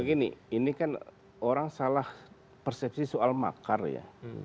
begini ini kan orang salah persepsi soal makar ya